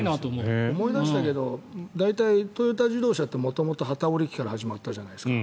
思い出したけど大体、トヨタ自動車って元々、機織り機から始まったじゃないですか。